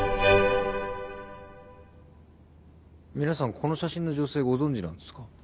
皆さんこの写真の女性ご存じなんですか？